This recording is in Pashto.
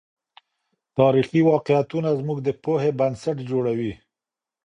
تاريخي واقعيتونه زموږ د پوهې بنسټ جوړوي.